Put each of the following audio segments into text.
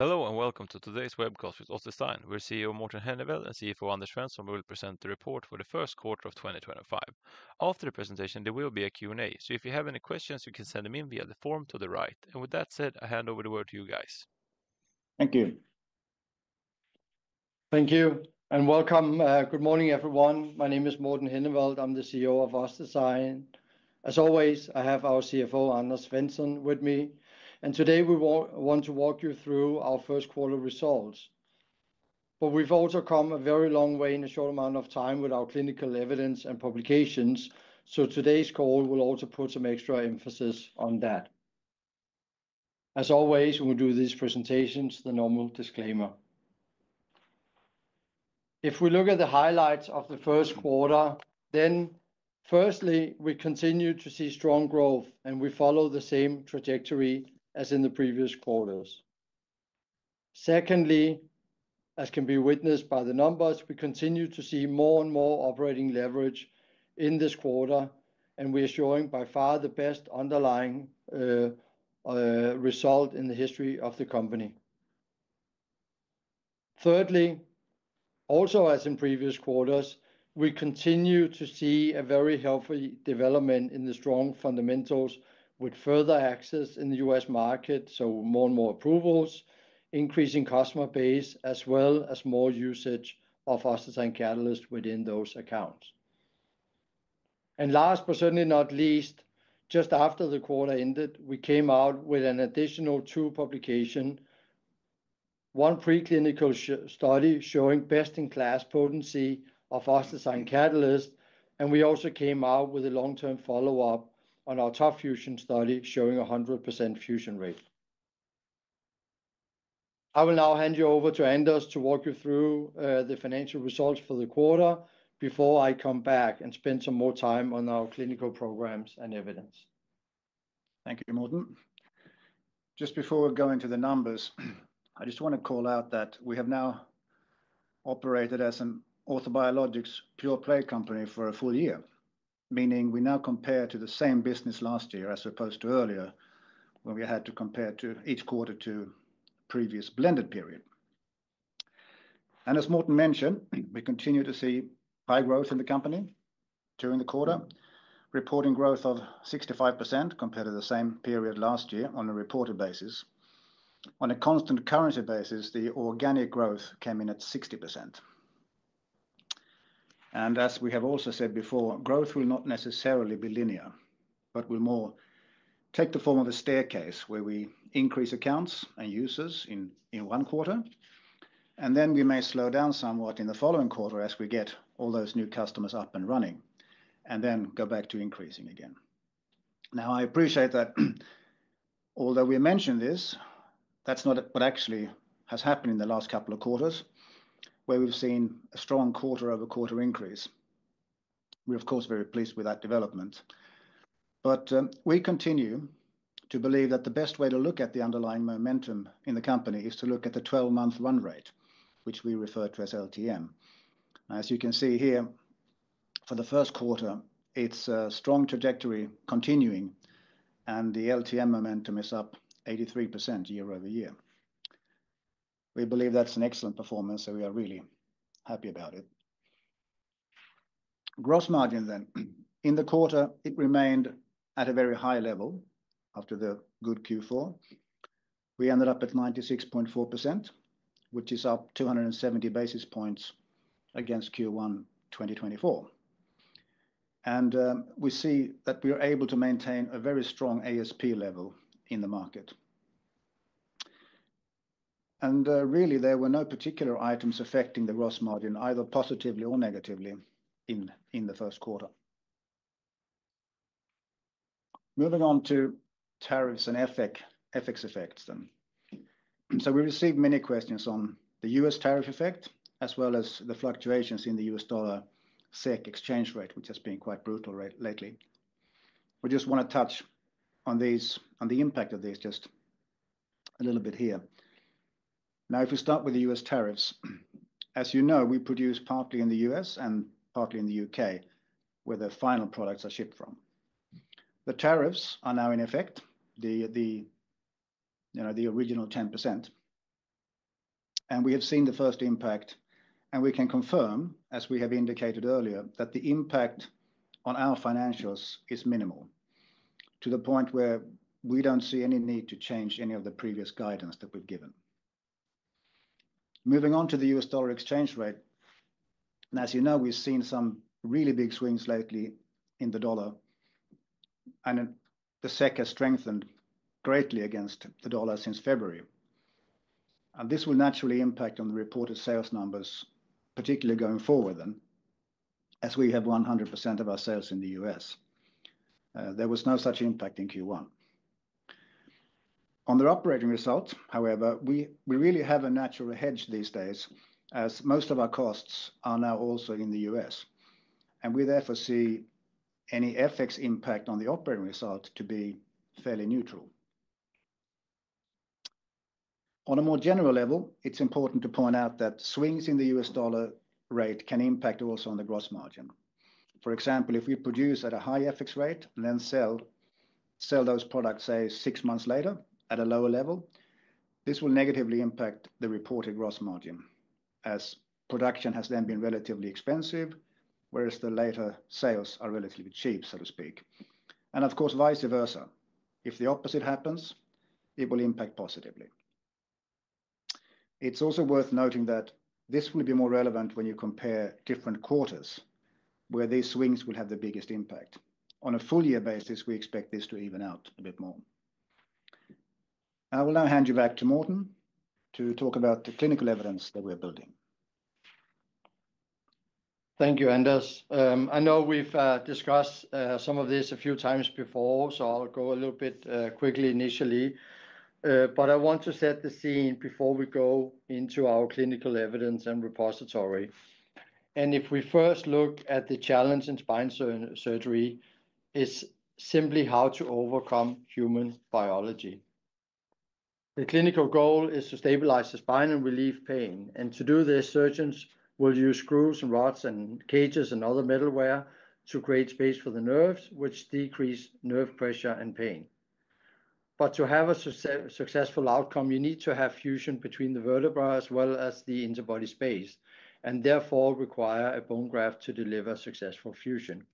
Hello and welcome to today's Web Call with OssDsign. We are CEO Morten Henneveld and CFO Anders Svensson, who will present the report for the First Quarter of 2025. After the presentation, there will be a Q&A, so if you have any questions, you can send them in via the form to the right. With that said, I hand over the word to you guys. Thank you. Thank you and welcome. Good morning, everyone. My name is Morten Henneveld. I'm the CEO of OssDsign. As always, I have our CFO, Anders Svensson, with me. Today we want to walk you through our first quarter results. We have also come a very long way in a short amount of time with our clinical evidence and publications. Today's call will also put some extra emphasis on that. As always, when we do these presentations, the normal disclaimer. If we look at the highlights of the first quarter, firstly, we continue to see strong growth, and we follow the same trajectory as in the previous quarters. Secondly, as can be witnessed by the numbers, we continue to see more and more operating leverage in this quarter, and we are showing by far the best underlying result in the history of the company. Thirdly, also as in previous quarters, we continue to see a very healthy development in the strong fundamentals with further access in the U.S. market. More and more approvals, increasing customer base, as well as more usage of OssDsign Catalyst within those accounts. Last but certainly not least, just after the quarter ended, we came out with an additional two publications. One preclinical study showing best in class potency of OssDsign Catalyst, and we also came out with a long-term follow-up on our Top Fusion study showing 100% fusion rate. I will now hand you over to Anders to walk you through the financial results for the quarter before I come back and spend some more time on our clinical programs and evidence. Thank you, Morten. Just before we go into the numbers, I just want to call out that we have now operated as an orthobiologics pure play company for a full year, meaning we now compare to the same business last year as opposed to earlier when we had to compare each quarter to previous blended period. As Morten mentioned, we continue to see high growth in the company during the quarter, reporting growth of 65% compared to the same period last year on a reported basis. On a constant currency basis, the organic growth came in at 60%. As we have also said before, growth will not necessarily be linear, but will more take the form of a staircase where we increase accounts and users in one quarter. We may slow down somewhat in the following quarter as we get all those new customers up and running and then go back to increasing again. I appreciate that although we mention this, that's not what actually has happened in the last couple of quarters where we've seen a strong quarter-over-quarter increase. We're, of course, very pleased with that development. We continue to believe that the best way to look at the underlying momentum in the company is to look at the 12-month run rate, which we refer to as LTM. As you can see here, for the first quarter, it's a strong trajectory continuing, and the LTM momentum is up 83% year-over-year. We believe that's an excellent performance, so we are really happy about it. Gross margin then, in the quarter, it remained at a very high level after the good Q4. We ended up at 96.4%, which is up 270 basis points against Q1 2024. We see that we are able to maintain a very strong ASP level in the market. There were no particular items affecting the gross margin either positively or negatively in the first quarter. Moving on to tariffs and FX effects then. We received many questions on the U.S. tariff effect as well as the fluctuations in the U.S. dollar SEK exchange rate, which has been quite brutal lately. We just want to touch on the impact of this just a little bit here. Now, if we start with the U.S. tariffs, as you know, we produce partly in the U.S. and partly in the U.K. where the final products are shipped from. The tariffs are now in effect, the original 10%. We have seen the first impact, and we can confirm, as we have indicated earlier, that the impact on our financials is minimal to the point where we do not see any need to change any of the previous guidance that we have given. Moving on to the U.S. dollar exchange rate. As you know, we have seen some really big swings lately in the dollar, and the SEK has strengthened greatly against the dollar since February. This will naturally impact the reported sales numbers, particularly going forward, as we have 100% of our sales in the U.S. There was no such impact in Q1. On the operating results, however, we really have a natural hedge these days as most of our costs are now also in the U.S. We therefore see any FX impact on the operating result to be fairly neutral. On a more general level, it's important to point out that swings in the U.S. dollar rate can impact also on the gross margin. For example, if we produce at a high FX rate and then sell those products, say, six months later at a lower level, this will negatively impact the reported gross margin as production has then been relatively expensive, whereas the later sales are relatively cheap, so to speak. Of course, vice versa. If the opposite happens, it will impact positively. It's also worth noting that this will be more relevant when you compare different quarters where these swings will have the biggest impact. On a full year basis, we expect this to even out a bit more. I will now hand you back to Morten to talk about the clinical evidence that we are building. Thank you, Anders. I know we've discussed some of this a few times before, so I'll go a little bit quickly initially. I want to set the scene before we go into our clinical evidence and repository. If we first look at the challenge in spine surgery, it's simply how to overcome human biology. The clinical goal is to stabilize the spine and relieve pain. To do this, surgeons will use screws and rods and cages and other metalware to create space for the nerves, which decrease nerve pressure and pain. To have a successful outcome, you need to have fusion between the vertebrae as well as the interbody space, and therefore require a bone graft to deliver successful fusion.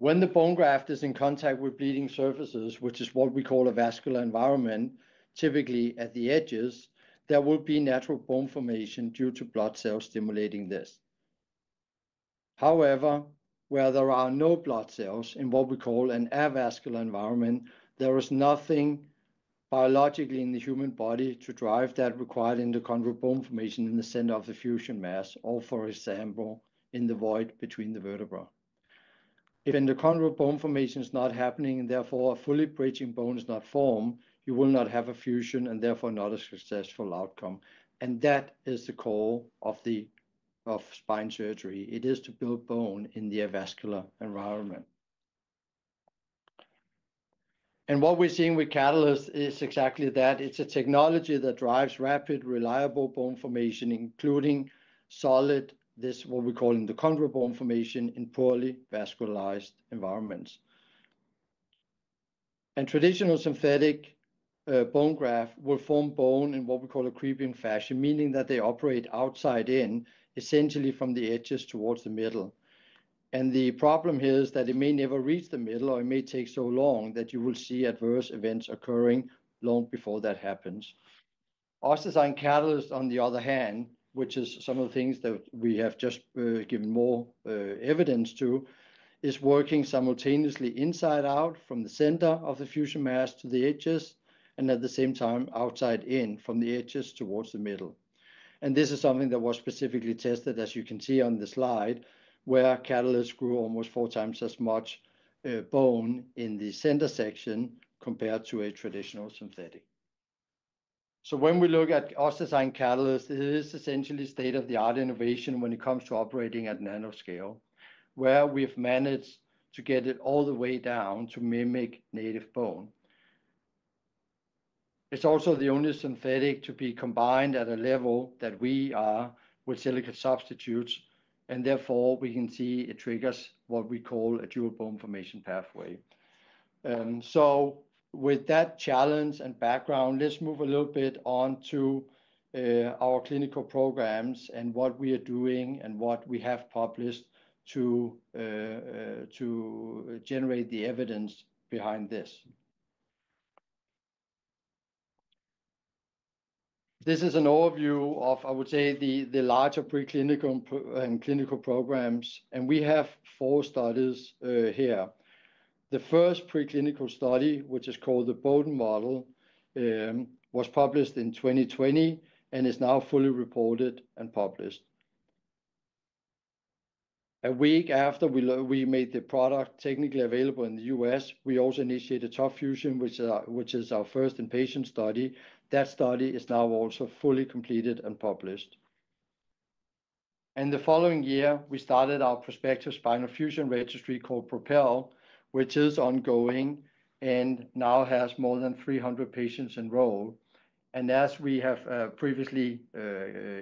When the bone graft is in contact with bleeding surfaces, which is what we call a vascular environment, typically at the edges, there will be natural bone formation due to blood cells stimulating this. However, where there are no blood cells in what we call an avascular environment, there is nothing biologically in the human body to drive that required endochondral bone formation in the center of the fusion mass, or for example, in the void between the vertebrae. If endochondral bone formation is not happening and therefore a fully bridging bone is not formed, you will not have a fusion and therefore not a successful outcome. That is the call of spine surgery. It is to build bone in the avascular environment. What we're seeing with Catalyst is exactly that. It's a technology that drives rapid, reliable bone formation, including solid, this is what we call endochondral bone formation in poorly vascularized environments. Traditional synthetic bone graft will form bone in what we call a creeping fashion, meaning that they operate outside in, essentially from the edges towards the middle. The problem here is that it may never reach the middle or it may take so long that you will see adverse events occurring long before that happens. OssDsign Catalyst, on the other hand, which is some of the things that we have just given more evidence to, is working simultaneously inside out from the center of the fusion mass to the edges and at the same time outside in from the edges towards the middle. This is something that was specifically tested, as you can see on the slide, where Catalyst grew almost four times as much bone in the center section compared to a traditional synthetic. When we look at OssDsign Catalyst, it is essentially state-of-the-art innovation when it comes to operating at nanoscale, where we've managed to get it all the way down to mimic native bone. It's also the only synthetic to be combined at a level that we are with silica substitutes, and therefore we can see it triggers what we call a dual bone formation pathway. With that challenge and background, let's move a little bit on to our clinical programs and what we are doing and what we have published to generate the evidence behind this. This is an overview of, I would say, the larger preclinical and clinical programs, and we have four studies here. The first preclinical study, which is called the Bowden model, was published in 2020 and is now fully reported and published. A week after we made the product technically available in the U.S., we also initiated Top Fusion, which is our first inpatient study. That study is now also fully completed and published. The following year, we started our prospective spinal fusion registry called PROPEL, which is ongoing and now has more than 300 patients enrolled. As we have previously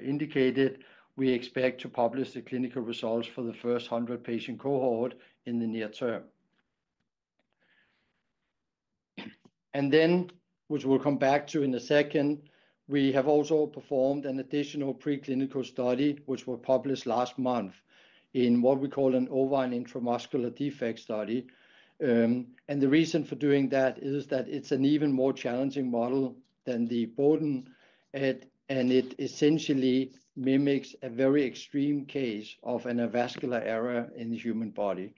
indicated, we expect to publish the clinical results for the first 100 patient cohort in the near term. We have also performed an additional preclinical study, which was published last month in what we call an ovine intramuscular defect study. The reason for doing that is that it's an even more challenging model than the Bowden, and it essentially mimics a very extreme case of an avascular error in the human body.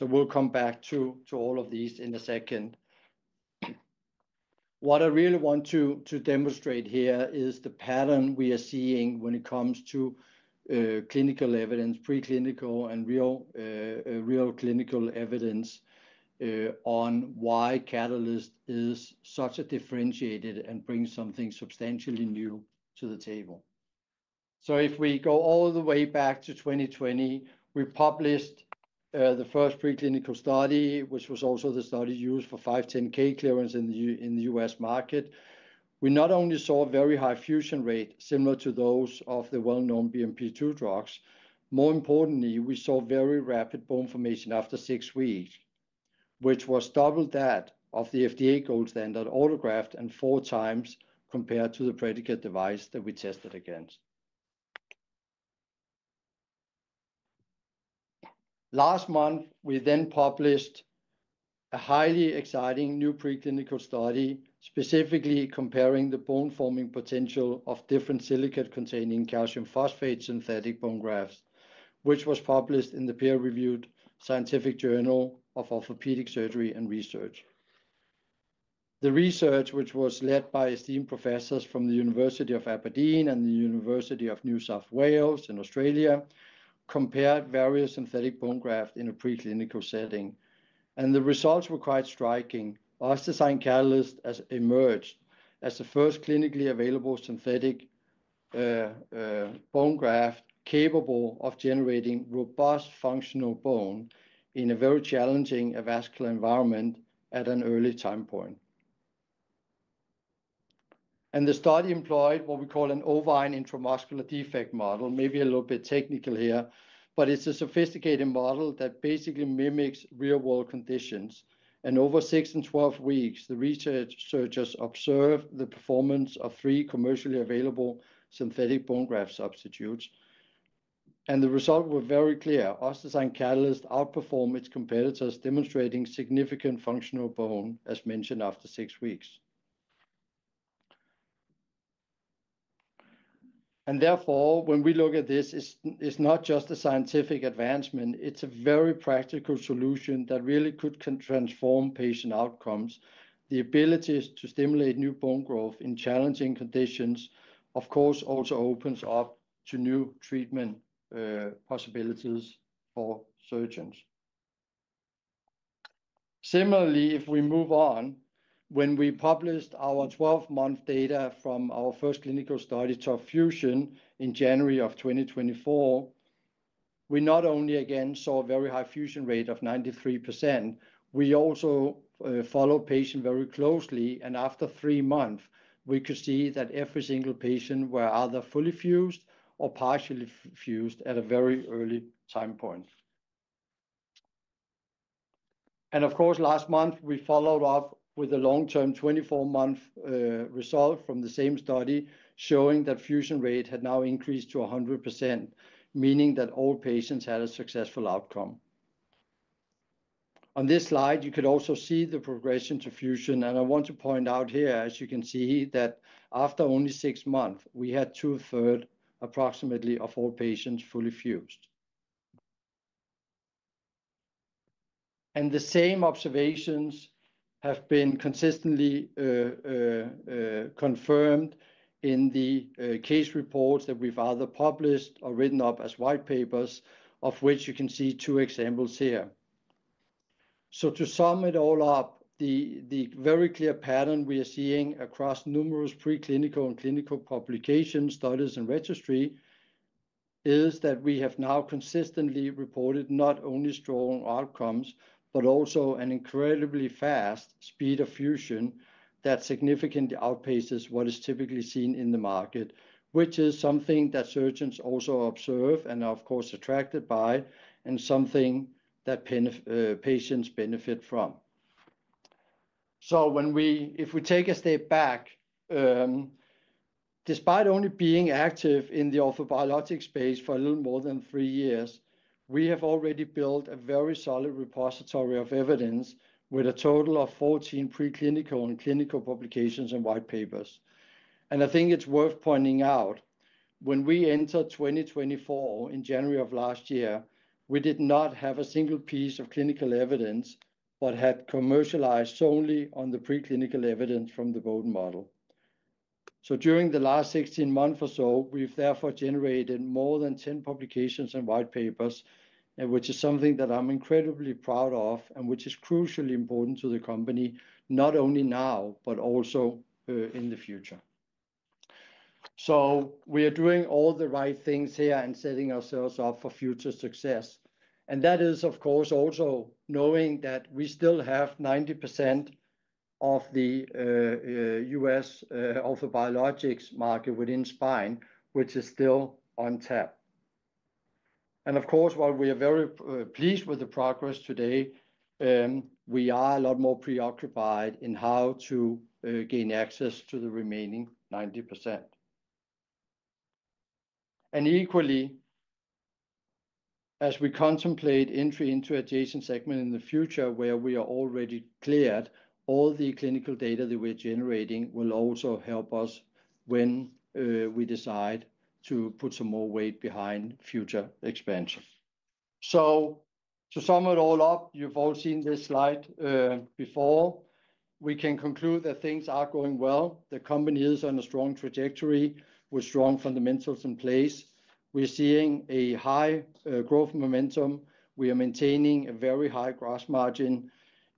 We'll come back to all of these in a second. What I really want to demonstrate here is the pattern we are seeing when it comes to clinical evidence, preclinical and real clinical evidence on why Catalyst is such a differentiated and brings something substantially new to the table. If we go all the way back to 2020, we published the first preclinical study, which was also the study used for 510(k) clearance in the U.S. market. We not only saw a very high fusion rate, similar to those of the well-known BMP2 drugs. More importantly, we saw very rapid bone formation after six weeks, which was double that of the FDA gold standard autograft and 4x compared to the predicate device that we tested against. Last month, we then published a highly exciting new preclinical study, specifically comparing the bone forming potential of different silicate-containing calcium phosphate synthetic bone grafts, which was published in the peer-reviewed scientific journal of orthopedic surgery and research. The research, which was led by esteemed professors from the University of Aberdeen and the University of New South Wales in Australia, compared various synthetic bone grafts in a preclinical setting. The results were quite striking. OssDsign Catalyst emerged as the first clinically available synthetic bone graft capable of generating robust functional bone in a very challenging avascular environment at an early time point. The study employed what we call an ovine intramuscular defect model, maybe a little bit technical here, but it is a sophisticated model that basically mimics real-world conditions. Over six and 12 weeks, the researchers observed the performance of three commercially available synthetic bone graft substitutes. The result was very clear. OssDsign Catalyst outperformed its competitors, demonstrating significant functional bone, as mentioned after six weeks. Therefore, when we look at this, it is not just a scientific advancement. It is a very practical solution that really could transform patient outcomes. The ability to stimulate new bone growth in challenging conditions, of course, also opens up to new treatment possibilities for surgeons. Similarly, if we move on, when we published our 12-month data from our first clinical study, Top Fusion, in January of 2024, we not only again saw a very high fusion rate of 93%. We also followed patients very closely, and after three months, we could see that every single patient was either fully fused or partially fused at a very early time point. Of course, last month, we followed up with a long-term 24-month result from the same study showing that fusion rate had now increased to 100%, meaning that all patients had a successful outcome. On this slide, you could also see the progression to fusion. I want to point out here, as you can see, that after only six months, we had 2/3, approximately, of all patients fully fused. The same observations have been consistently confirmed in the case reports that we've either published or written up as white papers, of which you can see two examples here. To sum it all up, the very clear pattern we are seeing across numerous preclinical and clinical publications, studies, and registries is that we have now consistently reported not only strong outcomes, but also an incredibly fast speed of fusion that significantly outpaces what is typically seen in the market, which is something that surgeons also observe and are, of course, attracted by, and something that patients benefit from. If we take a step back, despite only being active in the orthobiologic space for a little more than three years, we have already built a very solid repository of evidence with a total of 14 preclinical and clinical publications and white papers. I think it's worth pointing out, when we entered 2024 in January of last year, we did not have a single piece of clinical evidence, but had commercialized solely on the preclinical evidence from the Bowden model. During the last 16 months or so, we've therefore generated more than 10 publications and white papers, which is something that I'm incredibly proud of and which is crucially important to the company, not only now, but also in the future. We are doing all the right things here and setting ourselves up for future success. That is, of course, also knowing that we still have 90% of the U.S. orthobiologics market within spine, which is still on tap. Of course, while we are very pleased with the progress today, we are a lot more preoccupied in how to gain access to the remaining 90%. Equally, as we contemplate entry into adjacent segment in the future, where we are already cleared, all the clinical data that we're generating will also help us when we decide to put some more weight behind future expansion. To sum it all up, you've all seen this slide before. We can conclude that things are going well. The company is on a strong trajectory with strong fundamentals in place. We're seeing a high growth momentum. We are maintaining a very high gross margin.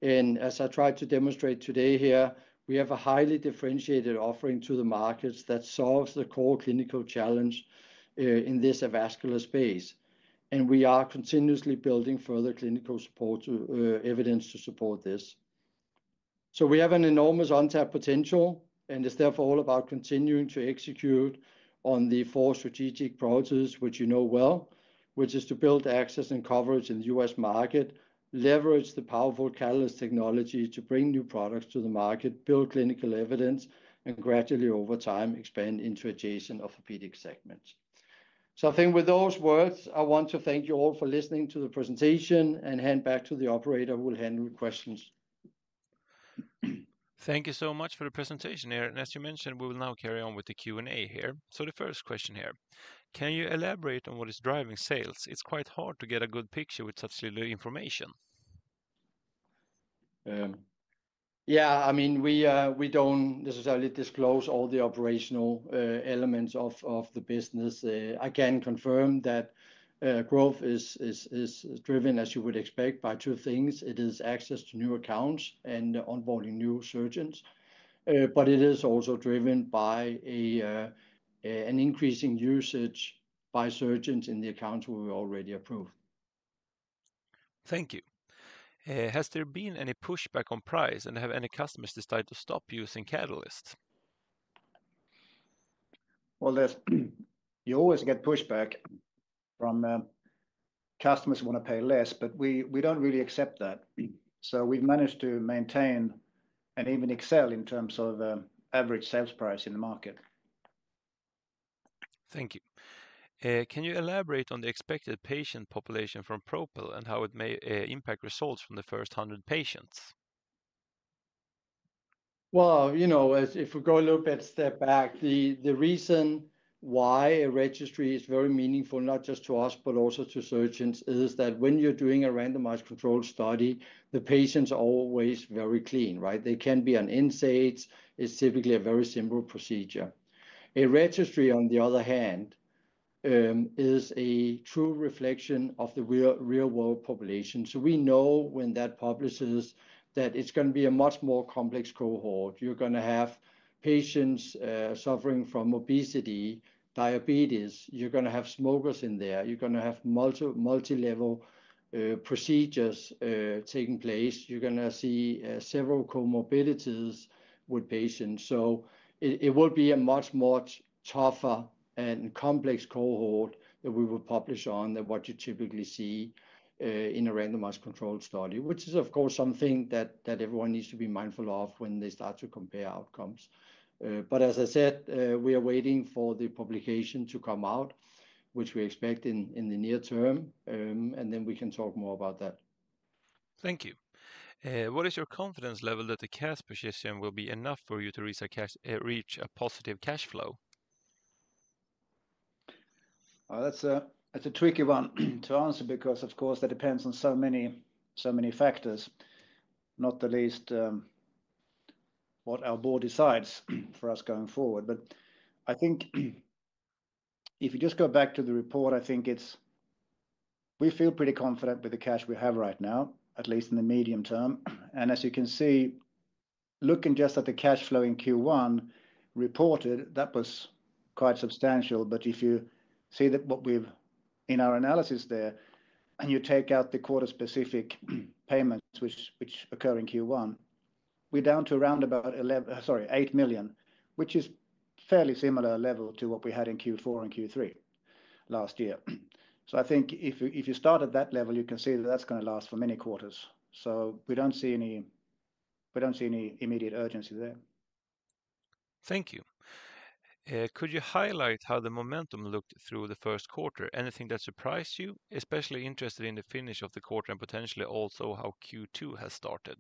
As I tried to demonstrate today here, we have a highly differentiated offering to the markets that solves the core clinical challenge in this avascular space. We are continuously building further clinical support evidence to support this. We have an enormous on-tap potential, and it's therefore all about continuing to execute on the four strategic priorities, which you know well, which is to build access and coverage in the U.S. market, leverage the powerful Catalyst technology to bring new products to the market, build clinical evidence, and gradually over time expand into adjacent orthopedic segments. I think with those words, I want to thank you all for listening to the presentation and hand back to the operator who will handle questions. Thank you so much for the presentation here. As you mentioned, we will now carry on with the Q&A here. The first question here, can you elaborate on what is driving sales? It's quite hard to get a good picture with such little information. Yeah, I mean, we don't necessarily disclose all the operational elements of the business. I can confirm that growth is driven, as you would expect, by two things. It is access to new accounts and onboarding new surgeons, but it is also driven by an increasing usage by surgeons in the accounts we've already approved. Thank you. Has there been any pushback on price and have any customers decided to stop using Catalyst? You always get pushback from customers who want to pay less, but we don't really accept that. So we've managed to maintain and even excel in terms of average sales price in the market. Thank you. Can you elaborate on the expected patient population from PROPEL and how it may impact results from the first 100 patients? If we go a little bit step back, the reason why a registry is very meaningful, not just to us, but also to surgeons, is that when you're doing a randomized control study, the patients are always very clean, right? They can be on NSAIDs. It's typically a very simple procedure. A registry, on the other hand, is a true reflection of the real-world population. We know when that publishes that it's going to be a much more complex cohort. You're going to have patients suffering from obesity, diabetes. You're going to have smokers in there. You're going to have multi-level procedures taking place. You're going to see several comorbidities with patients. It will be a much more tougher and complex cohort that we will publish on than what you typically see in a randomized control study, which is, of course, something that everyone needs to be mindful of when they start to compare outcomes. As I said, we are waiting for the publication to come out, which we expect in the near term, and then we can talk more about that. Thank you. What is your confidence level that the cash position will be enough for you to reach a positive cash flow? That's a tricky one to answer because, of course, that depends on so many factors, not the least what our board decides for us going forward. I think if you just go back to the report, I think we feel pretty confident with the cash we have right now, at least in the medium term. As you can see, looking just at the cash flow in Q1 reported, that was quite substantial. If you see what we've in our analysis there, and you take out the quarter-specific payments which occur in Q1, we're down to around about 11 million, sorry, 8 million, which is a fairly similar level to what we had in Q4 and Q3 last year. I think if you start at that level, you can see that that's going to last for many quarters. We do not see any immediate urgency there. Thank you. Could you highlight how the momentum looked through the first quarter? Anything that surprised you, especially interested in the finish of the quarter and potentially also how Q2 has started?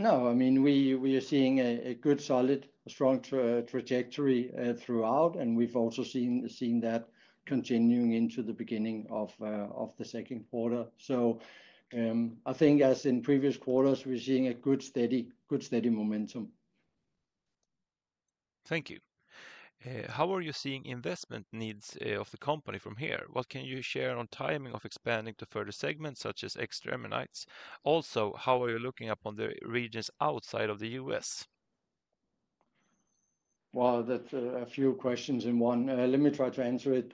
No, I mean, we are seeing a good, solid, strong trajectory throughout, and we've also seen that continuing into the beginning of the second quarter. I think as in previous quarters, we're seeing a good steady momentum. Thank you. How are you seeing investment needs of the company from here? What can you share on timing of expanding to further segments such as extremities? Also, how are you looking up on the regions outside of the U.S.? That is a few questions in one. Let me try to answer it.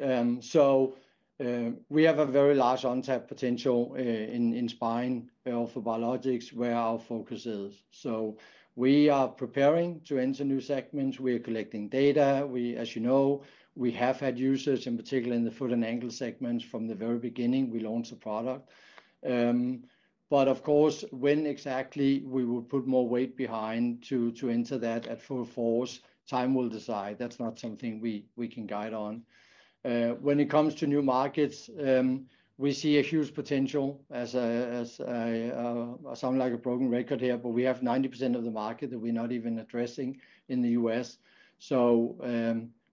We have a very large on-tap potential in spine orthobiologics, where our focus is. We are preparing to enter new segments. We are collecting data. As you know, we have had users, in particular in the foot and ankle segments from the very beginning we launched the product. Of course, when exactly we will put more weight behind to enter that at full force, time will decide. That is not something we can guide on. When it comes to new markets, we see a huge potential. I sound like a broken record here, but we have 90% of the market that we're not even addressing in the U.S. So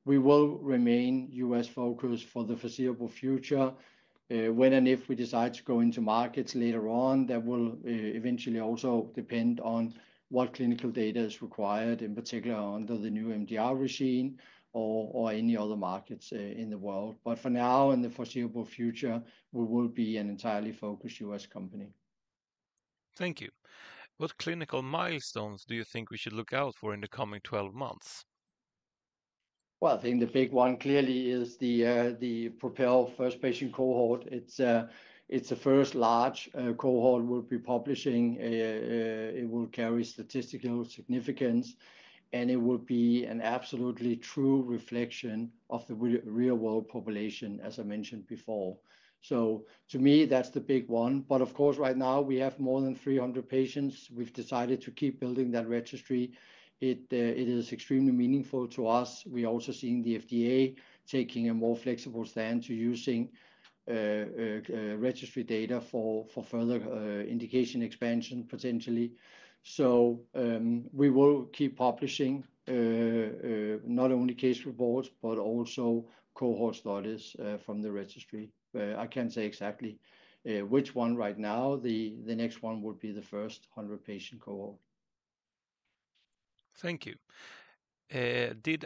we will remain U.S. focused for the foreseeable future. When and if we decide to go into markets later on, that will eventually also depend on what clinical data is required, in particular under the new MDR regime or any other markets in the world. For now, in the foreseeable future, we will be an entirely focused U.S. company. Thank you. What clinical milestones do you think we should look out for in the coming 12 months? The big one clearly is the PROPEL first-patient cohort. It's a first large cohort we'll be publishing. It will carry statistical significance, and it will be an absolutely true reflection of the real-world population, as I mentioned before. To me, that's the big one. Of course, right now, we have more than 300 patients. We've decided to keep building that registry. It is extremely meaningful to us. We're also seeing the FDA taking a more flexible stand to using registry data for further indication expansion, potentially. We will keep publishing not only case reports, but also cohort studies from the registry. I can't say exactly which one right now. The next one will be the first 100-patient cohort. Thank you. Did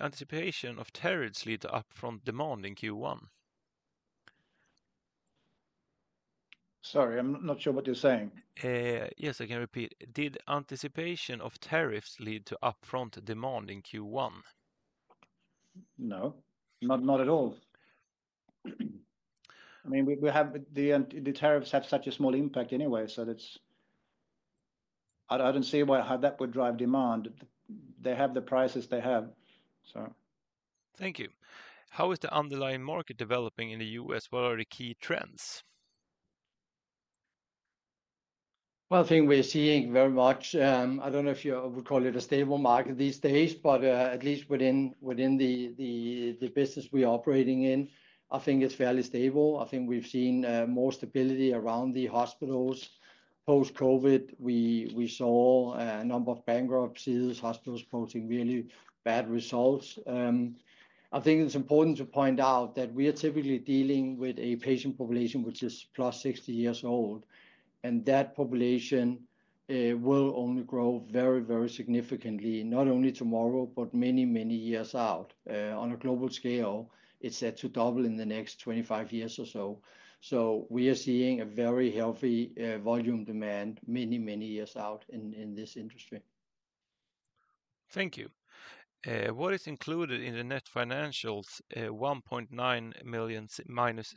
anticipation of tariffs lead to upfront demand in Q1? Sorry, I'm not sure what you're saying. Yes, I can repeat. Did anticipation of tariffs lead to upfront demand in Q1? No, not at all. I mean, the tariffs have such a small impact anyway, so I don't see why that would drive demand. They have the prices they have, so. Thank you. How is the underlying market developing in the U.S.? What are the key trends? I think we're seeing very much. I don't know if you would call it a stable market these days, but at least within the business we're operating in, I think it's fairly stable. I think we've seen more stability around the hospitals. Post-COVID, we saw a number of bankruptcies, hospitals posting really bad results. I think it's important to point out that we are typically dealing with a patient population which is +60 years old. That population will only grow very, very significantly, not only tomorrow, but many, many years out. On a global scale, it's set to double in the next 25 years or so. We are seeing a very healthy volume demand many, many years out in this industry. Thank you. What is included in the net financials, 1.9 million minus?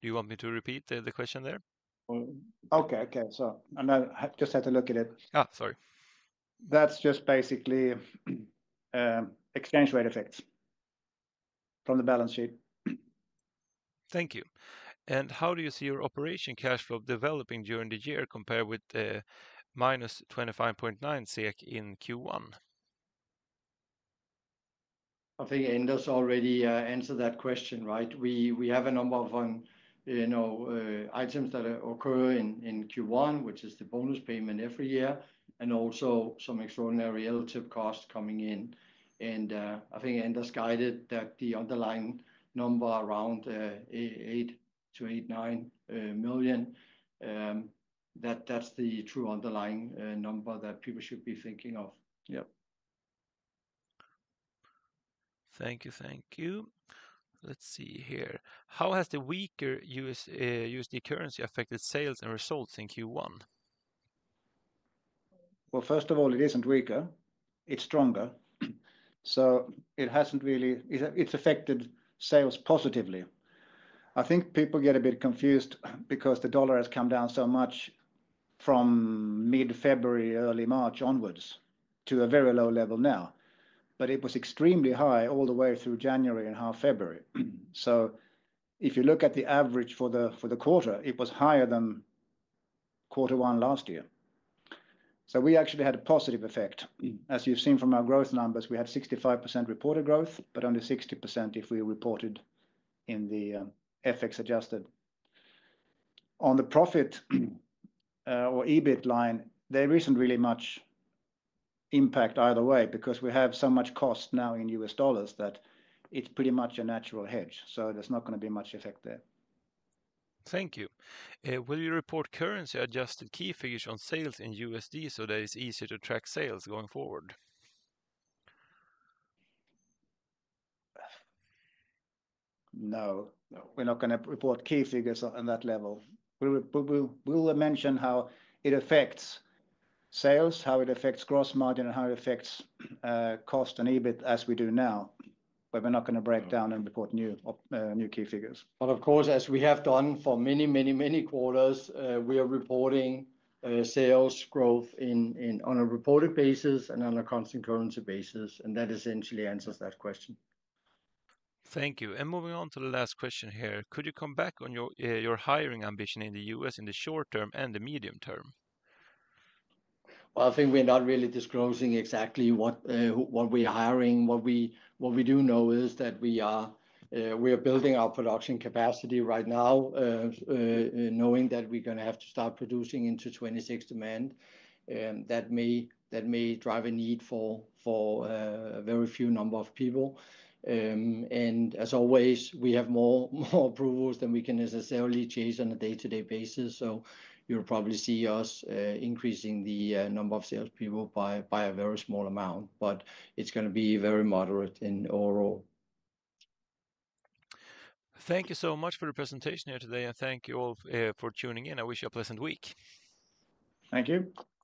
Do you want me to repeat the question there? Okay, okay. I just had to look at it, sorry. That's just basically exchange rate effects from the balance sheet. Thank you. How do you see your operation cash flow developing during the year compared with the -25.9 million SEK in Q1? I think Anders already answered that question, right? We have a number of items that occur in Q1, which is the bonus payment every year, and also some extraordinary relative costs coming in. I think Anders guided that the underlying number around 8 million-8.9 million, that's the true underlying number that people should be thinking of. Yep. Thank you, thank you. Let's see here. How has the weaker USD currency affected sales and results in Q1? First of all, it isn't weaker. It's stronger. It hasn't really affected sales positively. I think people get a bit confused because the dollar has come down so much from mid-February, early March onwards to a very low level now. It was extremely high all the way through January and half-February. If you look at the average for the quarter, it was higher than quarter one last year. We actually had a positive effect. As you've seen from our growth numbers, we had 65% reported growth, but only 60% if we reported in the FX adjusted. On the profit or EBIT line, there isn't really much impact either way because we have so much cost now in U.S. dollars that it's pretty much a natural hedge. There is not going to be much effect there. Thank you. Will you report currency-adjusted key figures on sales in USD so that it's easier to track sales going forward? No. We are not going to report key figures on that level. We will mention how it affects sales, how it affects gross margin, and how it affects cost and EBIT as we do now. We are not going to break down and report new key figures. Of course, as we have done for many, many, many quarters, we are reporting sales growth on a reported basis and on a constant currency basis. That essentially answers that question. Thank you. Moving on to the last question here, could you come back on your hiring ambition in the U.S. in the short term and the medium term? I think we're not really disclosing exactly what we're hiring. What we do know is that we are building our production capacity right now, knowing that we're going to have to start producing into 2026 demand. That may drive a need for a very few number of people. As always, we have more approvals than we can necessarily chase on a day-to-day basis. You'll probably see us increasing the number of salespeople by a very small amount. It's going to be very moderate overall. Thank you so much for the presentation here today. Thank you all for tuning in. I wish you a pleasant week. Thank you.